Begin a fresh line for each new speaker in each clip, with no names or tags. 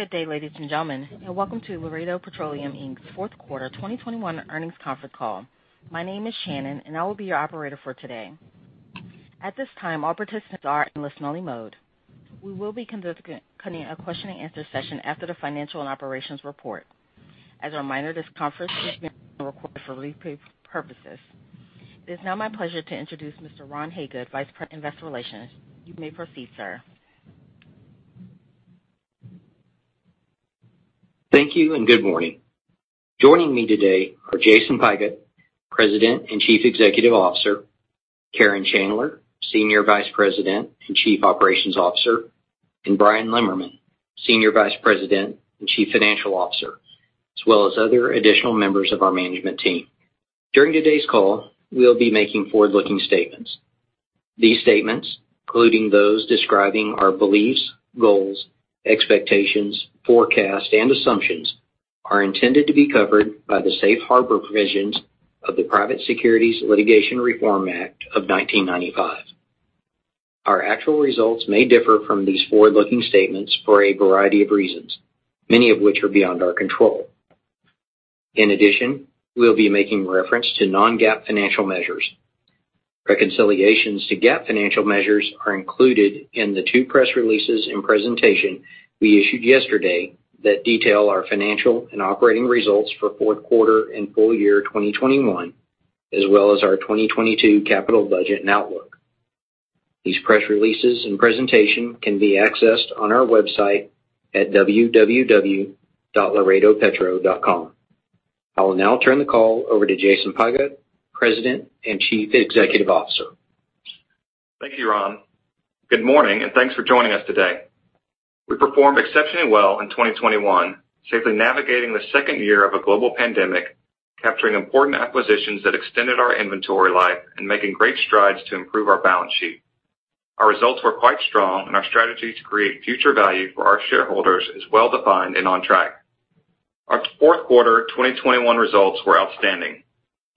Good day, ladies and gentlemen, and welcome to Vital Energy, Inc.'s fourth quarter 2021 earnings conference call. My name is Shannon, and I will be your operator for today. At this time, all participants are in listen-only mode. We will be conducting a question-and-answer session after the financial and operations report. As a reminder, this conference is being recorded for replay purposes. It is now my pleasure to introduce Mr. Ron Hagood, Vice President, Investor Relations. You may proceed, sir.
Thank you, and good morning. Joining me today are Jason Pigott, President and Chief Executive Officer, Karen Chandler, Senior Vice President and Chief Operations Officer, and Bryan Lemmerman, Senior Vice President and Chief Financial Officer, as well as other additional members of our management team. During today's call, we'll be making forward-looking statements. These statements, including those describing our beliefs, goals, expectations, forecasts, and assumptions, are intended to be covered by the safe harbor provisions of the Private Securities Litigation Reform Act of 1995. Our actual results may differ from these forward-looking statements for a variety of reasons, many of which are beyond our control. In addition, we'll be making reference to non-GAAP financial measures. Reconciliations to GAAP financial measures are included in the two press releases and presentation we issued yesterday that detail our financial and operating results for fourth quarter and full year 2021, as well as our 2022 capital budget and outlook. These press releases and presentation can be accessed on our website at www.laredopetro.com. I will now turn the call over to Jason Pigott, President and Chief Executive Officer.
Thank you, Ron. Good morning, and thanks for joining us today. We performed exceptionally well in 2021, safely navigating the second year of a global pandemic, capturing important acquisitions that extended our inventory life and making great strides to improve our balance sheet. Our results were quite strong, and our strategy to create future value for our shareholders is well-defined and on track. Our fourth quarter 2021 results were outstanding.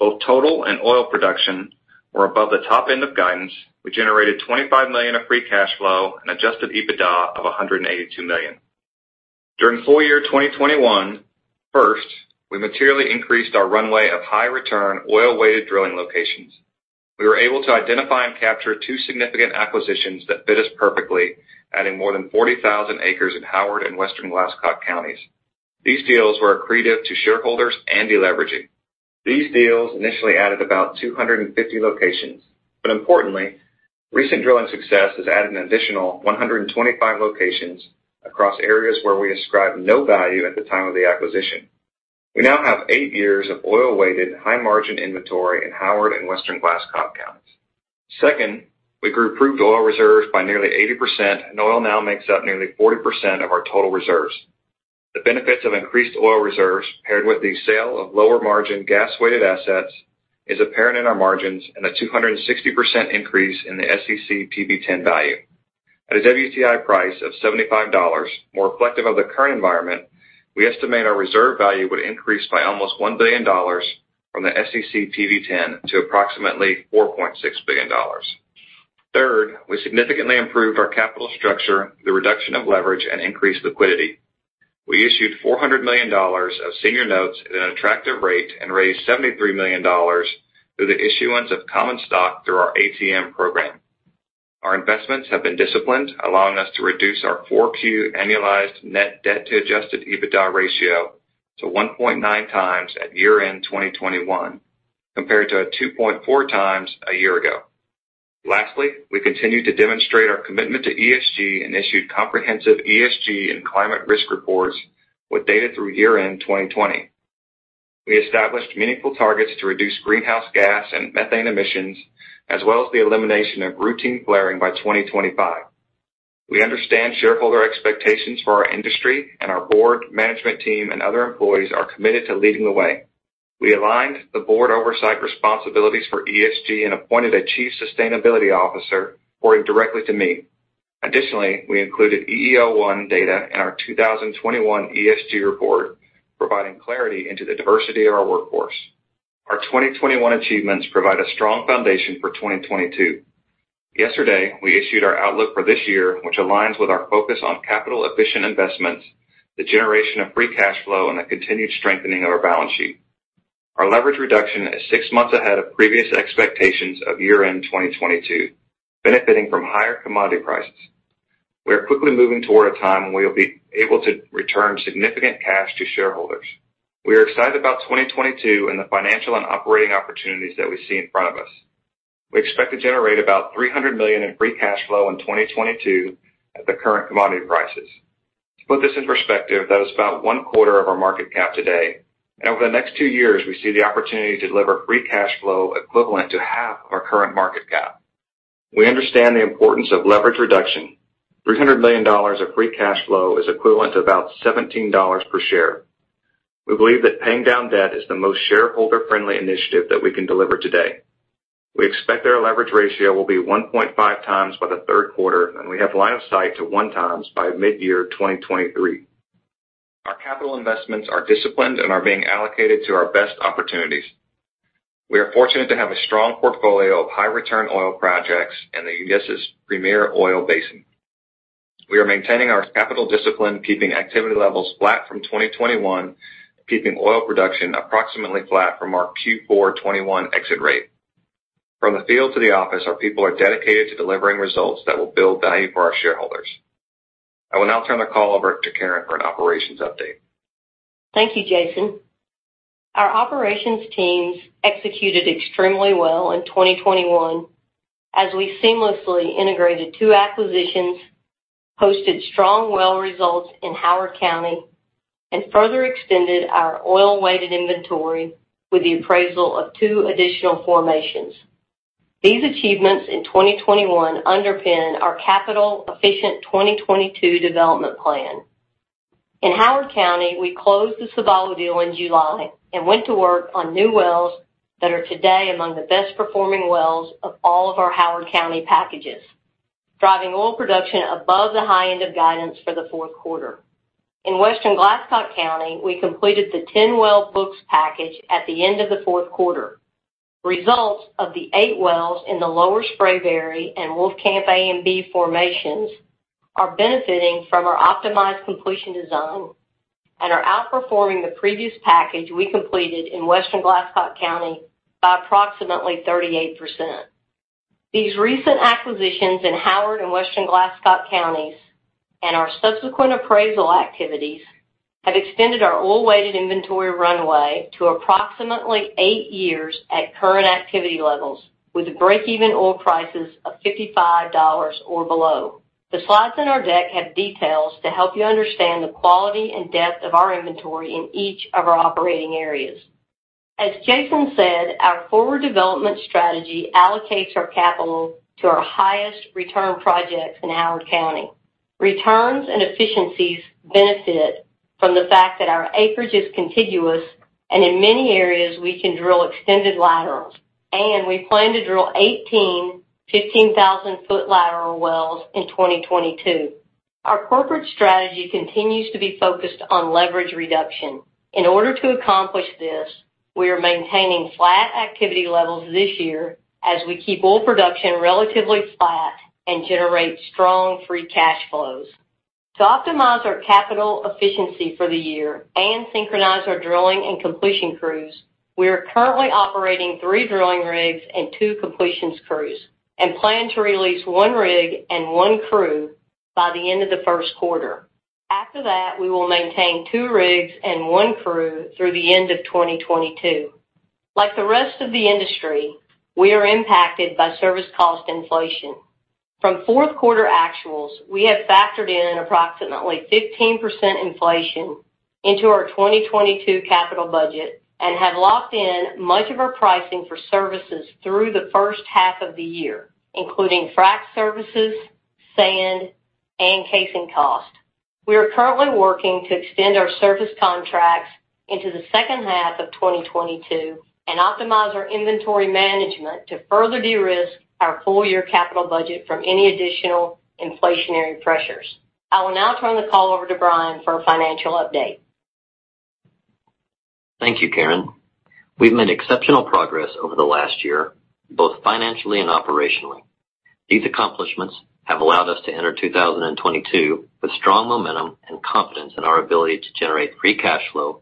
Both total and oil production were above the top end of guidance, which generated $25 million of free cash flow and Adjusted EBITDA of $182 million. During full year 2021, first, we materially increased our runway of high return oil weighted drilling locations. We were able to identify and capture two significant acquisitions that fit us perfectly, adding more than 40,000 acres in Howard and Western Glasscock counties. These deals were accretive to shareholders and deleveraging. These deals initially added about 250 locations. Importantly, recent drilling success has added an additional 125 locations across areas where we ascribed no value at the time of the acquisition. We now have eight years of oil-weighted, high-margin inventory in Howard and Western Glasscock counties. Second, we grew proved oil reserves by nearly 80%, and oil now makes up nearly 40% of our total reserves. The benefits of increased oil reserves, paired with the sale of lower margin gas-weighted assets, is apparent in our margins and a 260% increase in the SEC PV-10 value. At a WTI price of $75, more reflective of the current environment, we estimate our reserve value would increase by almost $1 billion from the SEC PV-10 to approximately $4.6 billion. Third, we significantly improved our capital structure, the reduction of leverage and increased liquidity. We issued $400 million of senior notes at an attractive rate and raised $73 million through the issuance of common stock through our ATM program. Our investments have been disciplined, allowing us to reduce our 4Q annualized net debt to adjusted EBITDA ratio to 1.9 times at year-end 2021, compared to a 2.4x a year ago. Lastly, we continue to demonstrate our commitment to ESG and issued comprehensive ESG and climate risk reports with data through year-end 2020. We established meaningful targets to reduce greenhouse gas and methane emissions, as well as the elimination of routine flaring by 2025. We understand shareholder expectations for our industry and our board, management team, and other employees are committed to leading the way. We aligned the board oversight responsibilities for ESG and appointed a chief sustainability officer reporting directly to me. Additionally, we included EEO-1 data in our 2021 ESG report, providing clarity into the diversity of our workforce. Our 2021 achievements provide a strong foundation for 2022. Yesterday, we issued our outlook for this year, which aligns with our focus on capital efficient investments, the generation of free cash flow, and the continued strengthening of our balance sheet. Our leverage reduction is six months ahead of previous expectations of year-end 2022, benefiting from higher commodity prices. We are quickly moving toward a time when we will be able to return significant cash to shareholders. We are excited about 2022 and the financial and operating opportunities that we see in front of us. We expect to generate about $300 million in free cash flow in 2022 at the current commodity prices. To put this in perspective, that is about one quarter of our market cap today. Over the next two years, we see the opportunity to deliver free cash flow equivalent to half of our current market cap. We understand the importance of leverage reduction. $300 million of free cash flow is equivalent to about $17 per share. We believe that paying down debt is the most shareholder-friendly initiative that we can deliver today. We expect that our leverage ratio will be 1.5x by the third quarter, and we have line of sight to 1x by mid-year 2023. Capital investments are disciplined and are being allocated to our best opportunities. We are fortunate to have a strong portfolio of high return oil projects in the U.S.'s premier oil basin. We are maintaining our capital discipline, keeping activity levels flat from 2021, keeping oil production approximately flat from our Q4 2021 exit rate. From the field to the office, our people are dedicated to delivering results that will build value for our shareholders. I will now turn the call over to Karen for an operations update.
Thank you, Jason. Our operations teams executed extremely well in 2021 as we seamlessly integrated two acquisitions, posted strong well results in Howard County, and further extended our oil-weighted inventory with the appraisal of two additional formations. These achievements in 2021 underpin our capital efficient 2022 development plan. In Howard County, we closed the Sabalo deal in July and went to work on new wells that are today among the best performing wells of all of our Howard County packages, driving oil production above the high end of guidance for the fourth quarter. In Western Glasscock County, we completed the 10-well Books package at the end of the fourth quarter. Results of the eight wells in the Lower Spraberry and Wolfcamp A and B formations are benefiting from our optimized completion design and are outperforming the previous package we completed in Western Glasscock County by approximately 38%. These recent acquisitions in Howard and Western Glasscock Counties and our subsequent appraisal activities have extended our oil weighted inventory runway to approximately eight years at current activity levels with breakeven oil prices of $55 or below. The slides in our deck have details to help you understand the quality and depth of our inventory in each of our operating areas. As Jason said, our forward development strategy allocates our capital to our highest return projects in Howard County. Returns and efficiencies benefit from the fact that our acreage is contiguous and in many areas, we can drill extended laterals, and we plan to drill 18 15,000-foot lateral wells in 2022. Our corporate strategy continues to be focused on leverage reduction. In order to accomplish this, we are maintaining flat activity levels this year as we keep oil production relatively flat and generate strong free cash flows. To optimize our capital efficiency for the year and synchronize our drilling and completion crews, we are currently operating three drilling rigs and two completions crews and plan to release 1 rig and 1 crew by the end of the first quarter. After that, we will maintain two rigs and one crew through the end of 2022. Like the rest of the industry, we are impacted by service cost inflation. From fourth quarter actuals, we have factored in approximately 15% inflation into our 2022 capital budget and have locked in much of our pricing for services through the first half of the year, including frack services, sand, and casing cost. We are currently working to extend our service contracts into the second half of 2022 and optimize our inventory management to further de-risk our full year capital budget from any additional inflationary pressures. I will now turn the call over to Bryan for a financial update.
Thank you, Karen. We've made exceptional progress over the last year, both financially and operationally. These accomplishments have allowed us to enter 2022 with strong momentum and confidence in our ability to generate free cash flow,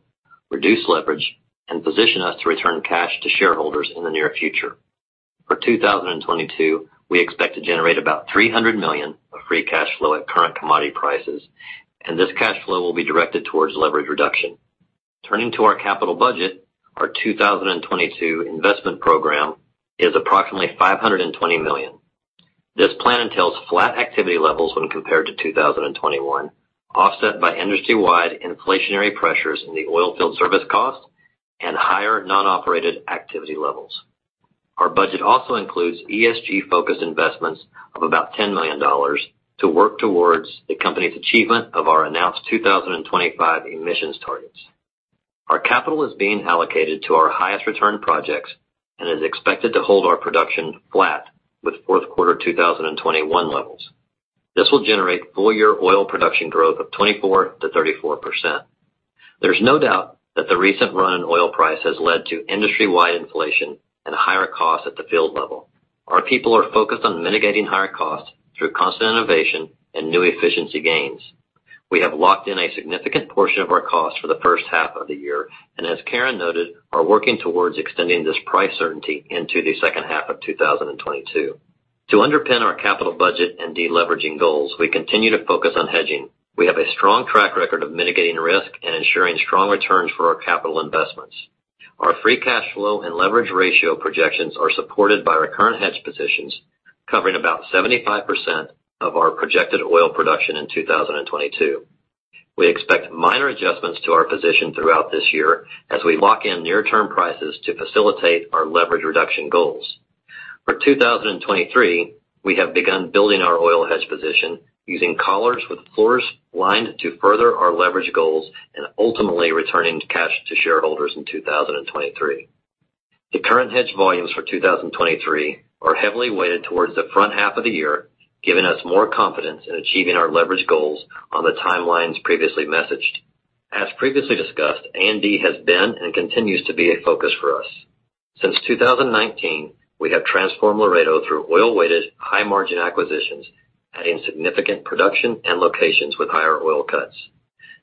reduce leverage, and position us to return cash to shareholders in the near future. For 2022, we expect to generate about $300 million of free cash flow at current commodity prices, and this cash flow will be directed towards leverage reduction. Turning to our capital budget, our 2022 investment program is approximately $520 million. This plan entails flat activity levels when compared to 2021, offset by industry-wide inflationary pressures in the oil field service cost and higher non-operated activity levels. Our budget also includes ESG-focused investments of about $10 million to work towards the company's achievement of our announced 2025 emissions targets. Our capital is being allocated to our highest return projects and is expected to hold our production flat with fourth quarter 2021 levels. This will generate full year oil production growth of 24%-34%. There's no doubt that the recent run in oil price has led to industry-wide inflation and higher costs at the field level. Our people are focused on mitigating higher costs through constant innovation and new efficiency gains. We have locked in a significant portion of our cost for the first half of the year, and as Karen noted, are working towards extending this price certainty into the second half of 2022. To underpin our capital budget and deleveraging goals, we continue to focus on hedging. We have a strong track record of mitigating risk and ensuring strong returns for our capital investments. Our free cash flow and leverage ratio projections are supported by our current hedge positions, covering about 75% of our projected oil production in 2022. We expect minor adjustments to our position throughout this year as we lock in near term prices to facilitate our leverage reduction goals. For 2023, we have begun building our oil hedge position using collars with floors aligned to further our leverage goals and ultimately returning cash to shareholders in 2023. The current hedge volumes for 2023 are heavily weighted towards the front half of the year, giving us more confidence in achieving our leverage goals on the timelines previously messaged. As previously discussed, A&D has been and continues to be a focus for us. Since 2019, we have transformed Laredo through oil-weighted, high-margin acquisitions, adding significant production and locations with higher oil cuts.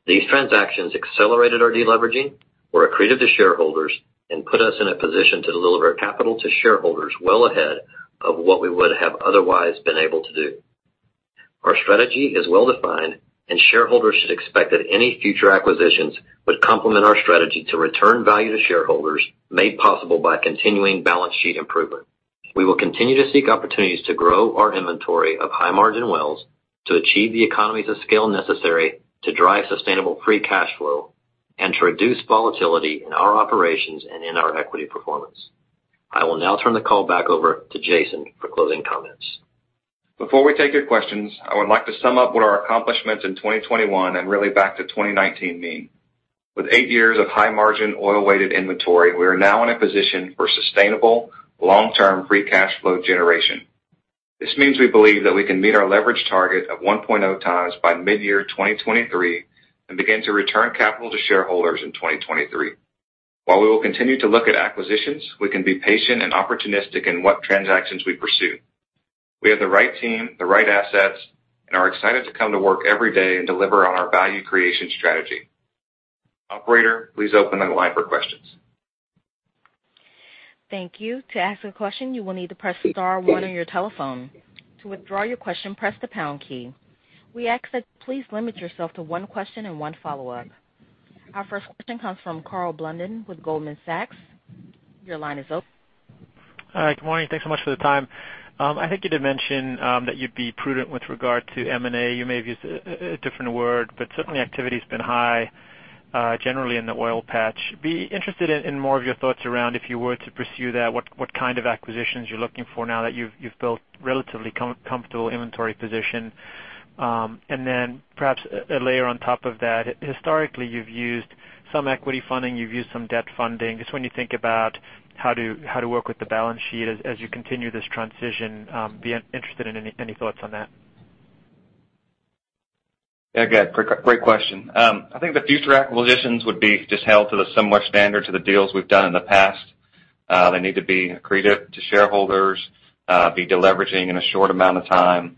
These transactions accelerated our deleveraging, were accretive to shareholders, and put us in a position to deliver capital to shareholders well ahead of what we would have otherwise been able to do. Our strategy is well-defined, and shareholders should expect that any future acquisitions would complement our strategy to return value to shareholders, made possible by continuing balance sheet improvement. We will continue to seek opportunities to grow our inventory of high-margin wells to achieve the economies of scale necessary to drive sustainable free cash flow and to reduce volatility in our operations and in our equity performance. I will now turn the call back over to Jason for closing comments.
Before we take your questions, I would like to sum up what our accomplishments in 2021 and really back to 2019 mean. With eight years of high-margin, oil-weighted inventory, we are now in a position for sustainable long-term free cash flow generation. This means we believe that we can meet our leverage target of 1.0x by midyear 2023 and begin to return capital to shareholders in 2023. While we will continue to look at acquisitions, we can be patient and opportunistic in what transactions we pursue. We have the right team, the right assets, and are excited to come to work every day and deliver on our value creation strategy. Operator, please open the line for questions.
Thank you. To ask a question, you will need to press star one on your telephone. To withdraw your question, press the pound key. We ask that you please limit yourself to one question and one follow-up. Our first question comes from Neil Mehta with Goldman Sachs. Your line is open.
Hi, good morning. Thanks so much for the time. I think you did mention that you'd be prudent with regard to M&A. You may have used a different word, but certainly activity's been high generally in the oil patch. I'd be interested in more of your thoughts around if you were to pursue that, what kind of acquisitions you're looking for now that you've built relatively comfortable inventory position. Then perhaps a layer on top of that. Historically, you've used some equity funding, you've used some debt funding. Just when you think about how to work with the balance sheet as you continue this transition, I'd be interested in any thoughts on that.
Yeah, good. Great question. I think the future acquisitions would be just held to the similar standards of the deals we've done in the past. They need to be accretive to shareholders, be deleveraging in a short amount of time.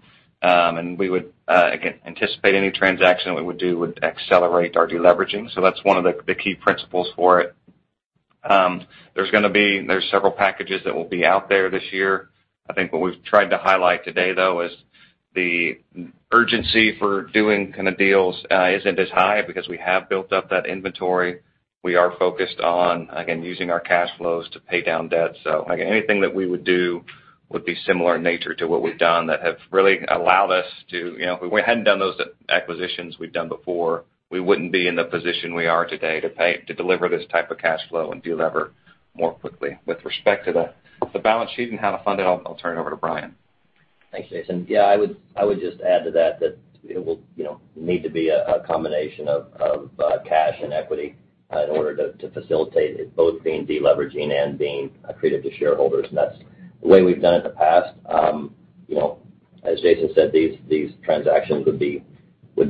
We would, again, anticipate any transaction we would do would accelerate our deleveraging. That's one of the key principles for it. There's several packages that will be out there this year. I think what we've tried to highlight today, though, is the urgency for doing kinda deals isn't as high because we have built up that inventory. We are focused on, again, using our cash flows to pay down debt. Again, anything that we would do would be similar in nature to what we've done that have really allowed us to, you know, if we hadn't done those acquisitions we've done before, we wouldn't be in the position we are today to deliver this type of cash flow and delever more quickly. With respect to the balance sheet and how to fund it, I'll turn it over to Bryan.
Thanks, Jason. Yeah, I would just add to that it will, you know, need to be a combination of cash and equity in order to facilitate it both being deleveraging and being accretive to shareholders. That's the way we've done it in the past. You know, as Jason said, these transactions would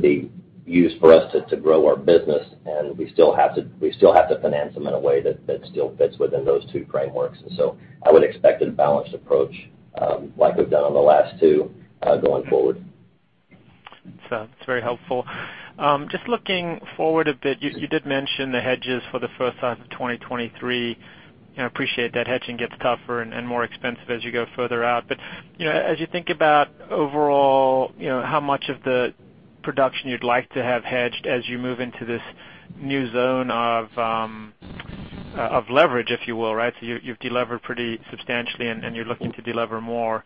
be used for us to grow our business, and we still have to finance them in a way that still fits within those two frameworks. I would expect a balanced approach, like we've done on the last two, going forward.
That's very helpful. Just looking forward a bit, you did mention the hedges for the first half of 2023. You know, appreciate that hedging gets tougher and more expensive as you go further out. You know, as you think about overall, you know, how much of the production you'd like to have hedged as you move into this new zone of leverage, if you will, right? You've delevered pretty substantially, and you're looking to delever more.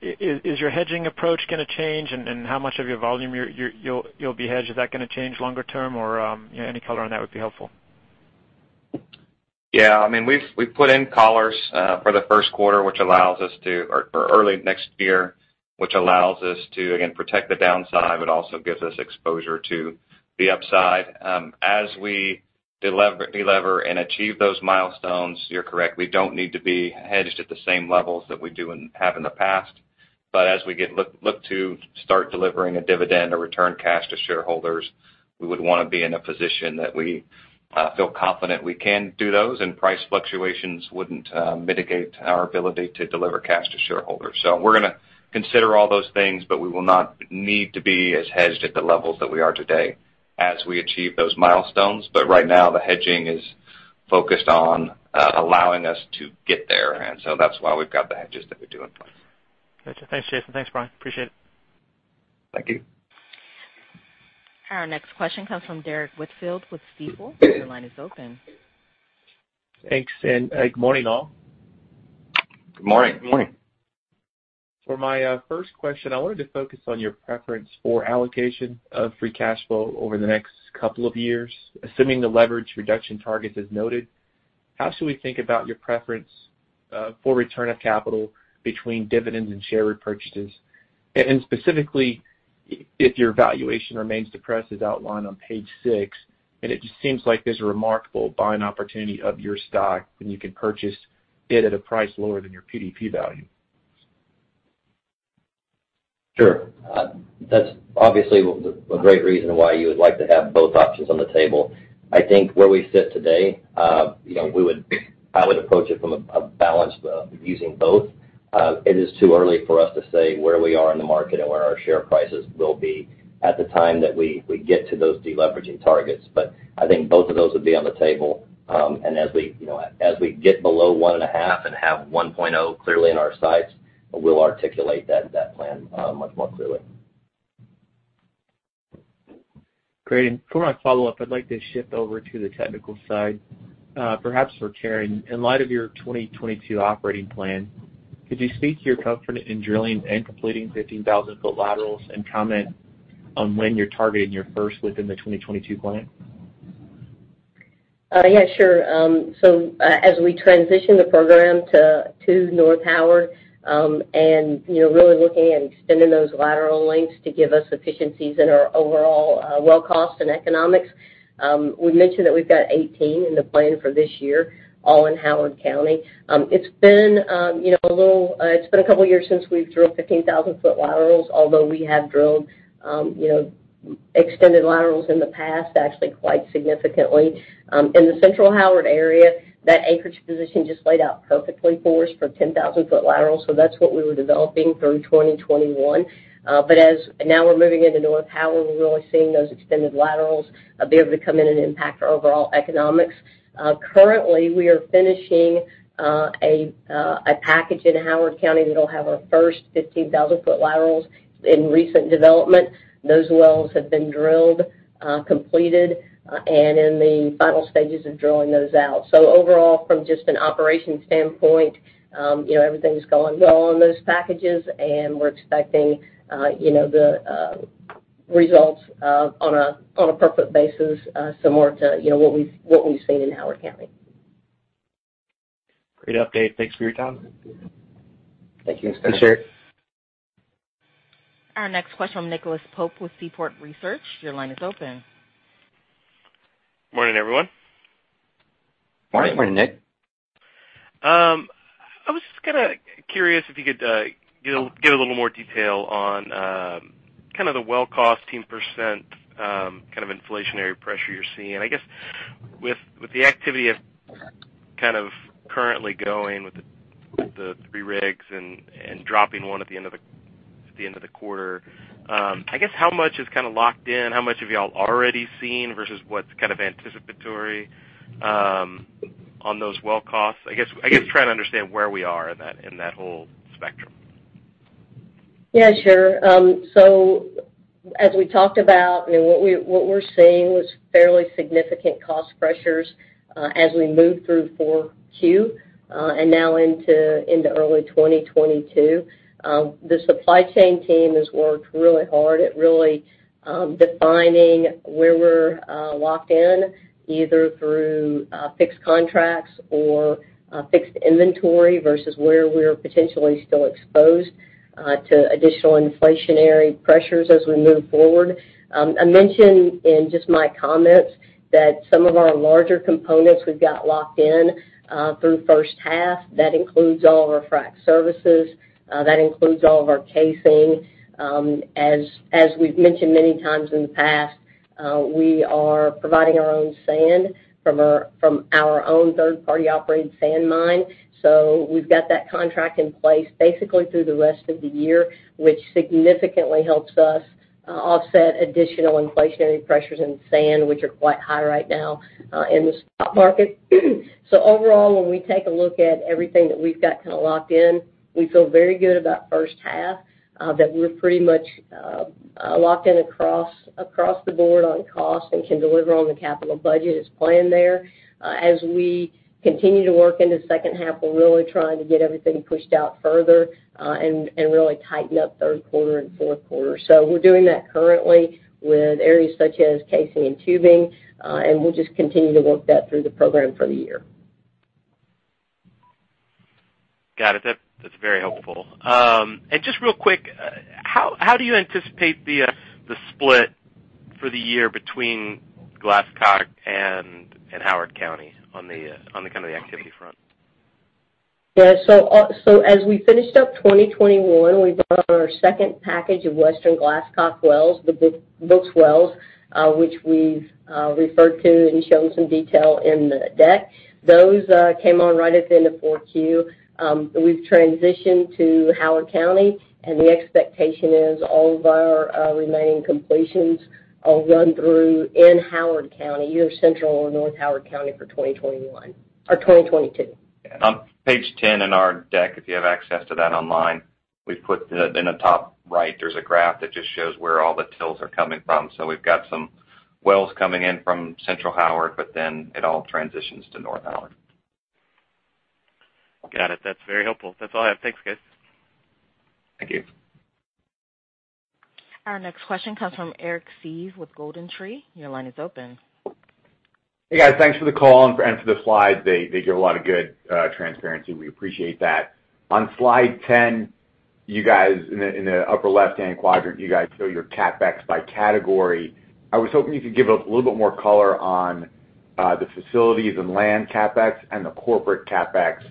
Is your hedging approach gonna change? How much of your volume you'll be hedged, is that gonna change longer term or, you know, any color on that would be helpful.
Yeah. I mean, we've put in collars for the first quarter or early next year, which allows us to again protect the downside, but also gives us exposure to the upside. As we delever and achieve those milestones, you're correct, we don't need to be hedged at the same levels that we do and have in the past. But as we look to start delivering a dividend or return cash to shareholders, we would wanna be in a position that we feel confident we can do those and price fluctuations wouldn't mitigate our ability to deliver cash to shareholders. We're gonna consider all those things, but we will not need to be as hedged at the levels that we are today as we achieve those milestones. Right now, the hedging is focused on allowing us to get there. That's why we've got the hedges that we do in place.
Gotcha. Thanks, Jason. Thanks, Bryan. I appreciate it.
Thank you.
Our next question comes from Derrick Whitfield with Stifel. Your line is open.
Thanks, and, good morning, all.
Good morning.
Good morning.
For my first question, I wanted to focus on your preference for allocation of free cash flow over the next couple of years. Assuming the leverage reduction target is noted, how should we think about your preference? For return of capital between dividends and share repurchases. Specifically, if your valuation remains depressed as outlined on page six, and it just seems like there's a remarkable buying opportunity of your stock, and you can purchase it at a price lower than your PDP value.
Sure. That was obviously a great reason why you would like to have both options on the table. I think where we sit today, you know, I would approach it from a balanced, using both. It is too early for us to say where we are in the market and where our share prices will be at the time that we get to those deleveraging targets. I think both of those would be on the table. As we, you know, get below 1.5 and have 1.0 clearly in our sights, we'll articulate that plan much more clearly.
Great. For my follow-up, I'd like to shift over to the technical side. Perhaps for Karen. In light of your 2022 operating plan, could you speak to your comfort in drilling and completing 15,000-foot laterals and comment on when you're targeting your first within the 2022 plan?
Yeah, sure. As we transition the program to North Howard, and, you know, really looking at extending those lateral lengths to give us efficiencies in our overall well cost and economics, we mentioned that we've got 18 in the plan for this year, all in Howard County. It's been a couple of years since we've drilled 15,000-foot laterals, although we have drilled extended laterals in the past, actually, quite significantly. In the Central Howard area, that acreage position just laid out perfectly for us for 10,000-foot laterals, so that's what we were developing through 2021. As now we're moving into North Howard, we're really seeing those extended laterals be able to come in and impact our overall economics. Currently, we are finishing a package in Howard County that'll have our first 15,000-foot laterals in recent development. Those wells have been drilled, completed, and in the final stages of drawing those out. Overall, from just an operations standpoint, you know, everything's going well on those packages, and we're expecting, you know, the results on a per foot basis, similar to, you know, what we've seen in Howard County.
Great update. Thanks for your time.
Thank you.
Thanks.
Thanks, Aaron.
Our next question from Nicholas Pope with Seaport Research. Your line is open.
Morning, everyone.
Morning.
Morning.
Morning, Nick.
I was just kinda curious if you could give a little more detail on kinda the well cost 10% kind of inflationary pressure you're seeing. I guess with the activity of kind of currently going with the three rigs and dropping one at the end of the quarter, I guess how much is kinda locked in, how much have y'all already seen versus what's kind of anticipatory on those well costs. I guess trying to understand where we are in that whole spectrum.
Yeah, sure. As we talked about, I mean, what we're seeing was fairly significant cost pressures as we moved through Q4 and now into early 2022. The supply chain team has worked really hard at defining where we're locked in, either through fixed contracts or fixed inventory versus where we're potentially still exposed to additional inflationary pressures as we move forward. I mentioned in just my comments that some of our larger components we've got locked in through the first half. That includes all of our frack services. That includes all of our casing. As we've mentioned many times in the past, we are providing our own sand from our own third-party operated sand mine. We've got that contract in place basically through the rest of the year, which significantly helps us offset additional inflationary pressures in sand, which are quite high right now in the spot market. Overall, when we take a look at everything that we've got kinda locked in, we feel very good about first half that we're pretty much locked in across the board on cost and can deliver on the capital budget as planned there. As we continue to work in the second half, we're really trying to get everything pushed out further and really tighten up third quarter and fourth quarter. We're doing that currently with areas such as casing and tubing and we'll just continue to work that through the program for the year.
Got it. That, that's very helpful. Just real quick, how do you anticipate the split for the year between Glasscock and Howard County on the kind of the activity front?
Yeah. As we finished up 2021, we brought on our second package of Western Glasscock wells, the books wells, which we've referred to and shown some detail in the deck. Those came on right at the end of 4Q. We've transitioned to Howard County, and the expectation is all of our remaining completions will run through in Howard County, either Central or North Howard County for 2021 or 2022.
On page 10 in our deck, if you have access to that online, we've put the in the top right, there's a graph that just shows where all the wells are coming from. We've got some wells coming in from Central Howard, but then it all transitions to North Howard.
Got it. That's very helpful. That's all I have. Thanks, guys.
Thank you.
Our next question comes from Eric Seeve with GoldenTree. Your line is open.
Hey, guys. Thanks for the call and for the slides. They give a lot of good transparency. We appreciate that. On slide 10, you guys in the upper left-hand quadrant, you guys show your CapEx by category. I was hoping you could give a little bit more color on the facilities and land CapEx and the corporate CapEx.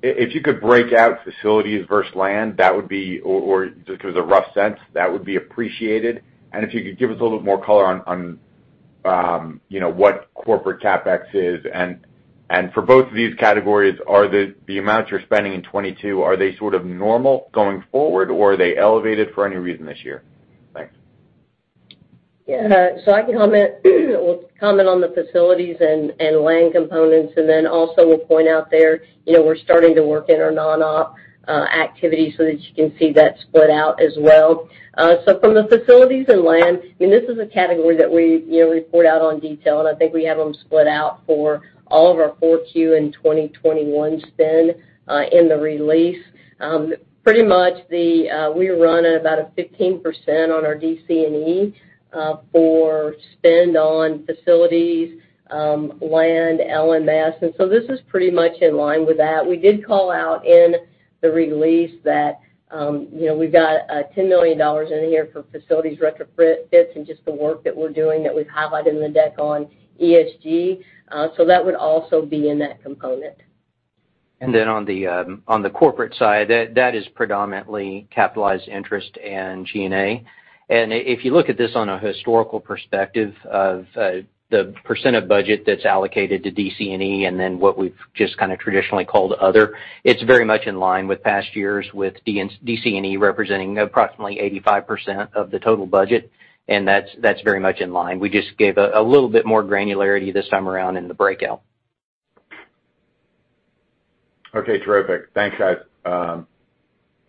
If you could break out facilities versus land, that would be. Or just give us a rough sense, that would be appreciated. If you could give us a little bit more color on you know what corporate CapEx is. For both of these categories, are the amounts you're spending in 2022 sort of normal going forward, or are they elevated for any reason this year? Thanks.
Yeah. I can comment on the facilities and land components, and then also will point out there, you know, we're starting to work in our non-op activities so that you can see that split out as well. From the facilities and land, I mean, this is a category that we, you know, report out in detail, and I think we have them split out for all of our Q4 2021 spend in the release. Pretty much we run at about 15% on our DC&E for spend on facilities, land, LOE, misc. This is pretty much in line with that. We did call out in the release that, you know, we've got $10 million in here for facilities retrofits and just the work that we're doing that we've highlighted in the deck on ESG. That would also be in that component.
On the corporate side, that is predominantly capitalized interest and G&A. If you look at this on a historical perspective of the percent of budget that's allocated to DC&E, and then what we've just kinda traditionally called other, it's very much in line with past years, with non-DC&E representing approximately 85% of the total budget, and that's very much in line. We just gave a little bit more granularity this time around in the breakout.
Okay, terrific. Thanks, guys.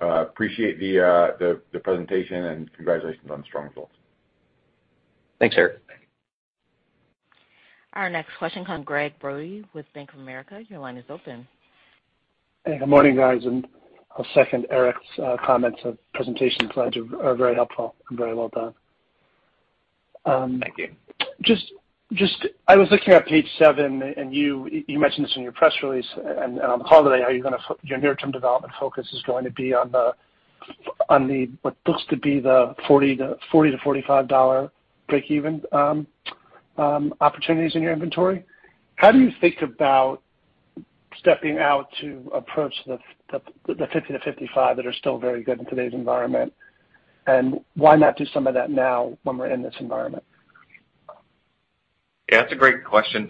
I appreciate the presentation, and congratulations on the strong results.
Thanks, Eric.
Our next question comes from Gregg Brody with Bank of America. Your line is open.
Hey, good morning, guys. I'll second Eric's comments. The presentation slides are very helpful and very well done.
Thank you.
I was looking at page seven, and you mentioned this in your press release and on the call today, how you're gonna focus your near-term development focus is going to be on what looks to be the $40-$45 breakeven opportunities in your inventory. How do you think about stepping out to approach the $50-$55 that are still very good in today's environment? Why not do some of that now when we're in this environment?
Yeah, that's a great question.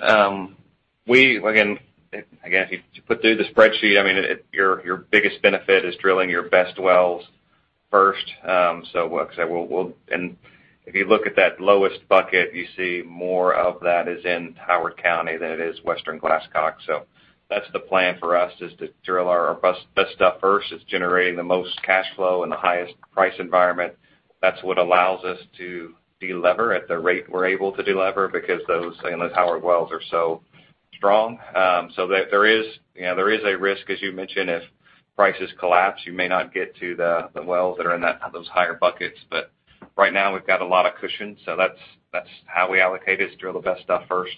We again if you put through the spreadsheet, I mean, it, your biggest benefit is drilling your best wells first. If you look at that lowest bucket, you see more of that is in Howard County than it is Western Glasscock. That's the plan for us, is to drill our best stuff first. It's generating the most cash flow and the highest price environment. That's what allows us to delever at the rate we're able to delever because those, again, those Howard wells are so strong. There is, you know, a risk, as you mentioned, if prices collapse, you may not get to the wells that are in those higher buckets. Right now, we've got a lot of cushion, so that's how we allocate, is drill the best stuff first.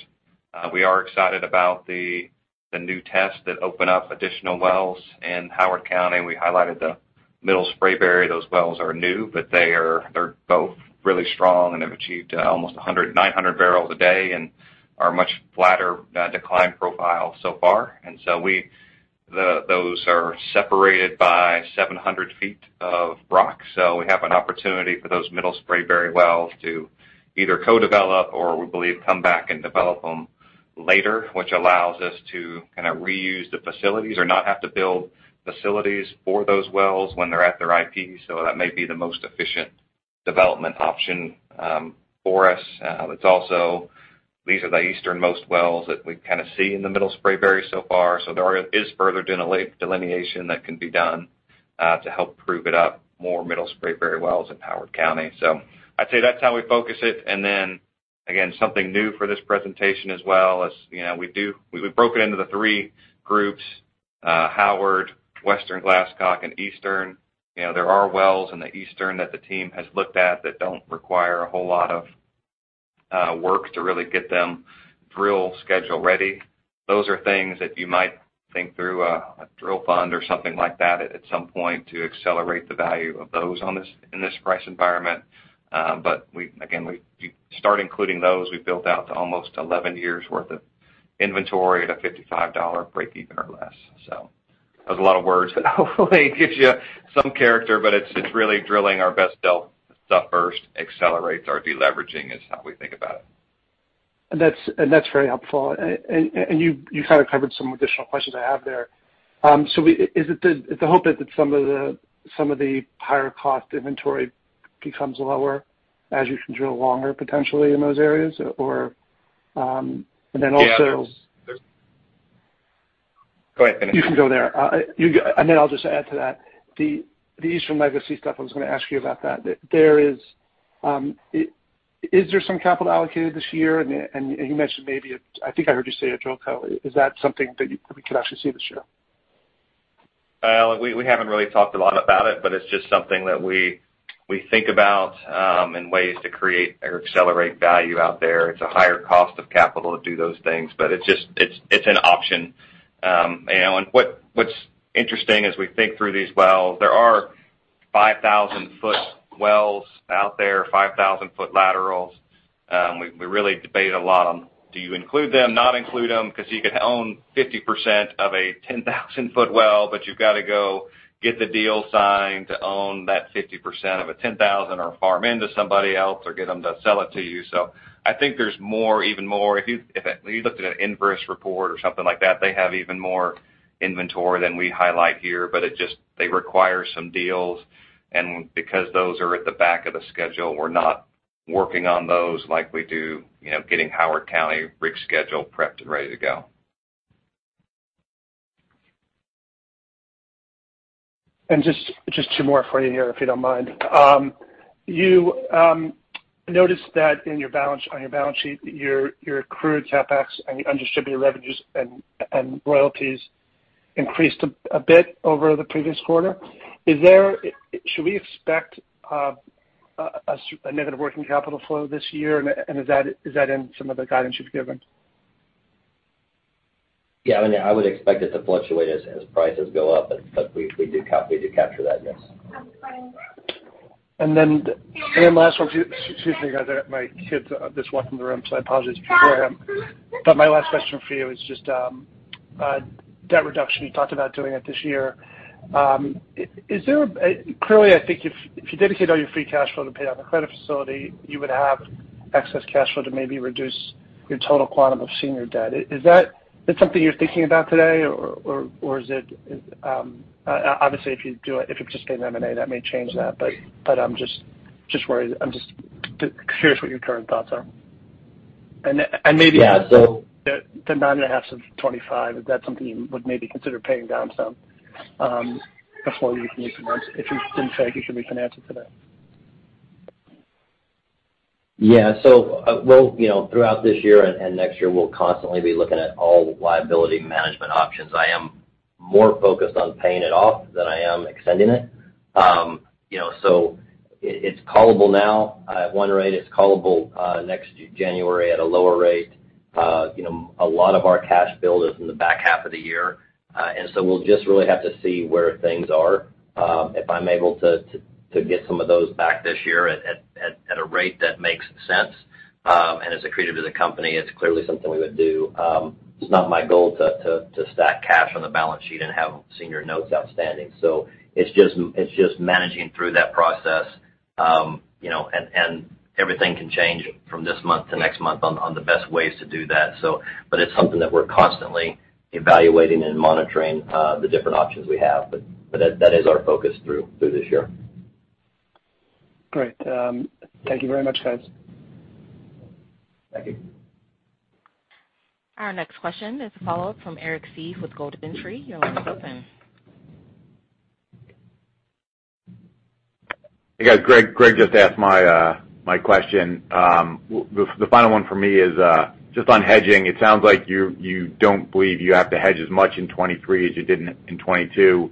We are excited about the new tests that open up additional wells in Howard County. We highlighted the Middle Spraberry. Those wells are new, but they're both really strong, and they've achieved almost 900 barrels a day and are much flatter decline profile so far. Those are separated by 700 feet of rock. We have an opportunity for those Middle Spraberry wells to either co-develop or, we believe, come back and develop them later, which allows us to kinda reuse the facilities or not have to build facilities for those wells when they're at their IP. That may be the most efficient development option for us. It's also these are the easternmost wells that we've kinda seen in the Middle Spraberry so far. There is further delineation that can be done to help prove it up, more Middle Spraberry wells in Howard County. I'd say that's how we focus it, and then again, something new for this presentation as well, as you know, we've broken into the three groups, Howard, Western Glasscock, and Eastern. You know, there are wells in the Eastern that the team has looked at that don't require a whole lot of work to really get them drill schedule ready. Those are things that you might think through a drill fund or something like that at some point to accelerate the value of those in this price environment. We, again, you start including those, we've built out to almost 11 years' worth of inventory at a $55 breakeven or less. That was a lot of words, but hopefully it gives you some character. It's really drilling our best dealt stuff first, accelerates our deleveraging, is how we think about it.
That's very helpful. You kinda covered some additional questions I have there. Is it the hope that some of the higher cost inventory becomes lower as you can drill longer potentially in those areas? Or, and then also-
Yeah. Go ahead, finish.
You can go there. Then I'll just add to that. The Eastern Legacy stuff, I was gonna ask you about that. Is there some capital allocated this year? You mentioned maybe a, I think I heard you say a drill co. Is that something that we could actually see this year?
Well, we haven't really talked a lot about it, but it's just something that we think about in ways to create or accelerate value out there. It's a higher cost of capital to do those things, but it's an option. What's interesting as we think through these wells, there are 5,000-foot wells out there, 5,000-foot laterals. We really debate a lot on do you include them, not include them? Because you could own 50% of a 10,000-foot well, but you've gotta go get the deal signed to own that 50% of a 10,000 or farm into somebody else or get them to sell it to you. I think there's more, even more. If you looked at an Enverus report or something like that, they have even more inventory than we highlight here, but they require some deals. Because those are at the back of the schedule, we're not working on those like we do, you know, getting Howard County rig schedule prepped and ready to go.
Just two more for you here, if you don't mind. You noticed that on your balance sheet your accrued CapEx and your undistributed revenues and royalties increased a bit over the previous quarter. Should we expect a negative working capital flow this year? Is that in some of the guidance you've given?
Yeah. I mean, I would expect it to fluctuate as prices go up, but we do capture that, yes.
Last one. Excuse me, guys. I got my kids just walked in the room, so I apologize for him. My last question for you is just debt reduction. You talked about doing it this year. Clearly, I think if you dedicate all your free cash flow to pay down the credit facility, you would have excess cash flow to maybe reduce your total quantum of senior debt. Is it something you're thinking about today or is it obviously, if you do it, if you participate in M&A, that may change that. I'm just worried. I'm just curious what your current thoughts are. Maybe-
Yeah, so.
The 9.5s of 2025, is that something you would maybe consider paying down some, before you can make some money, if you didn't think you could refinance it today?
Yeah. We'll, you know, throughout this year and next year, we'll constantly be looking at all liability management options. I am more focused on paying it off than I am extending it. You know, it's callable now at one rate. It's callable next January at a lower rate. You know, a lot of our cash build is in the back half of the year. We'll just really have to see where things are. If I'm able to get some of those back this year at a rate that makes sense, and is accretive to the company, it's clearly something we would do. It's not my goal to stack cash on the balance sheet and have senior notes outstanding. It's just managing through that process, you know, and everything can change from this month to next month on the best ways to do that. It's something that we're constantly evaluating and monitoring the different options we have. That is our focus through this year.
Great. Thank you very much, guys.
Thank you.
Our next question is a follow-up from Eric Seeve with Goldman Sachs. Your line is open.
Hey, guys. Greg just asked my question. The final one for me is just on hedging. It sounds like you don't believe you have to hedge as much in 2023 as you did in 2022,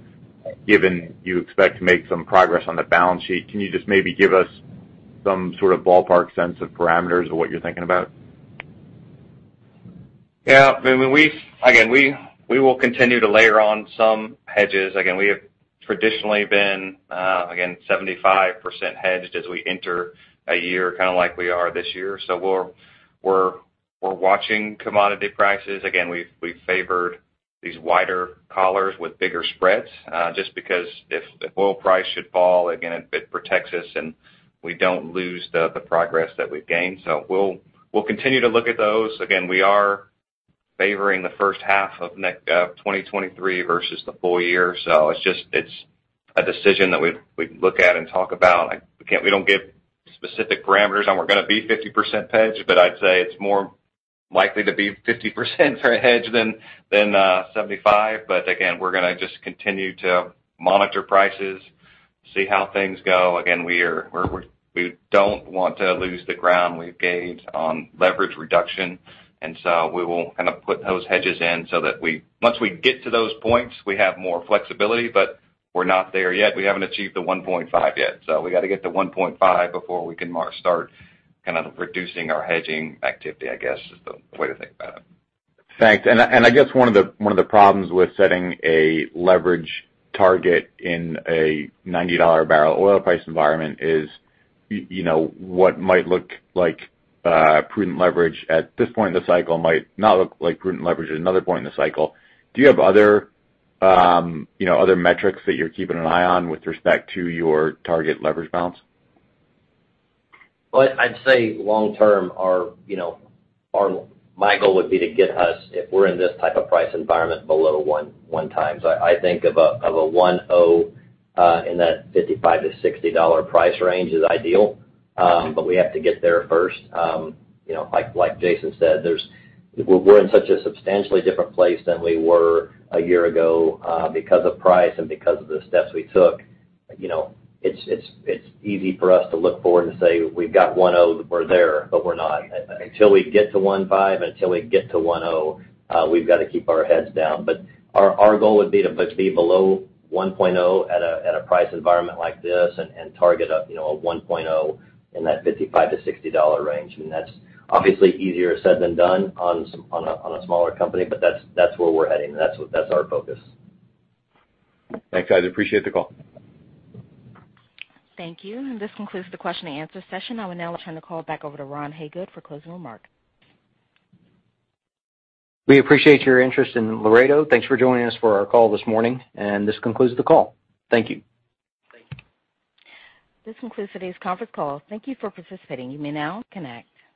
given you expect to make some progress on the balance sheet. Can you just maybe give us some sort of ballpark sense of parameters of what you're thinking about?
Yeah. I mean, again, we will continue to layer on some hedges. Again, we have traditionally been again 75% hedged as we enter a year, kind of like we are this year. We're watching commodity prices. Again, we've favored these wider collars with bigger spreads, just because if the oil price should fall again, it protects us, and we don't lose the progress that we've gained. We'll continue to look at those. Again, we are favoring the first half of next 2023 versus the full year. It's a decision that we look at and talk about. We don't give specific parameters on where we're gonna be 50% hedged, but I'd say it's more likely to be 50% hedged than 75%. Again, we're gonna just continue to monitor prices, see how things go. Again, we don't want to lose the ground we've gained on leverage reduction, and so we will kind of put those hedges in so that once we get to those points, we have more flexibility, but we're not there yet. We haven't achieved the 1.5 yet. We gotta get to 1.5 before we can start kind of reducing our hedging activity, I guess, is the way to think about it.
Thanks. I guess one of the problems with setting a leverage target in a $90/barrel oil price environment is, you know, what might look like prudent leverage at this point in the cycle might not look like prudent leverage at another point in the cycle. Do you have other, you know, metrics that you're keeping an eye on with respect to your target leverage balance?
Well, I'd say long term our, you know, my goal would be to get us, if we're in this type of price environment, below 1x. I think of a 1.0 in that $55-$60 price range is ideal, but we have to get there first. You know, like Jason said, we're in such a substantially different place than we were a year ago, because of price and because of the steps we took. You know, it's easy for us to look forward and say, "We've got 1.0. We're there," but we're not. Until we get to 1.5 and until we get to 1.0, we've gotta keep our heads down. Our goal would be to be below 1.0 at a price environment like this and target a, you know, a 1.0 in that $55-$60 range. I mean, that's obviously easier said than done on a smaller company, but that's where we're heading. That's our focus.
Thanks, guys. Appreciate the call.
Thank you. This concludes the question and answer session. I will now turn the call back over to Ron Hagood for closing remarks.
We appreciate your interest in Vital Energy. Thanks for joining us for our call this morning, and this concludes the call. Thank you.
Thank you.
This concludes today's conference call. Thank you for participating. You may now disconnect.